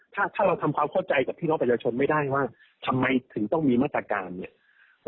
ถ้าถ้าเราทำความเข้าใจกับพี่น้องประชาชนไม่ได้ว่าทำไมถึงต้องมีมาตรการเนี่ย